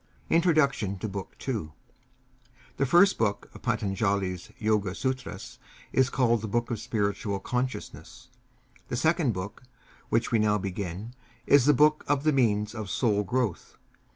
INTRODUCTION TO BOOK II The first book of Patanjali's Yoga Sutras is called the Book of Spiritual Consciousness. The second book, which we now begin, is the Book of the Means of Soul Growth.